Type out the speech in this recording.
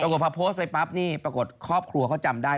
ปรากฏพอโพสต์ไปปั๊บนี่ปรากฏครอบครัวเขาจำได้